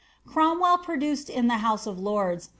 Cromwell produced in the house of lords.